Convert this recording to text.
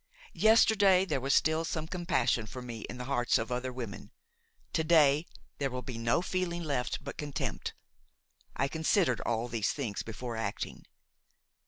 Yesterday there was still some compassion for me in the hearts of other women; to day there will be no feeling left but contempt. I considered all these things before acting."